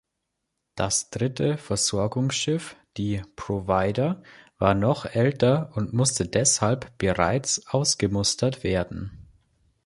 Das dritte Versorgungsschiff, die "Provider", war noch älter und musste deshalb bereits ausgemustert werden.